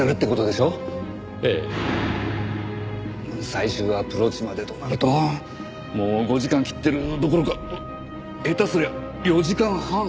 最終アプローチまでとなるともう５時間切ってるどころか下手すりゃ４時間半。